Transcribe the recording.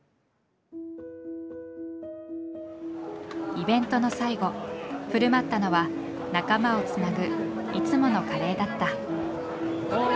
イベントの最後振る舞ったのは仲間をつなぐいつものカレーだった。